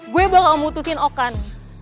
gue bakal mutusin okan